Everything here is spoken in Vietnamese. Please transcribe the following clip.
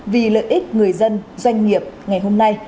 vì lợi ích người dân doanh nghiệp ngày hôm nay